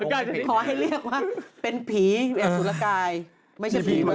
ขอให้เรียกว่าเป็นผีผีอัสุรกาย